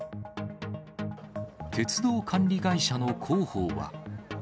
鉄道管理会社の広報は。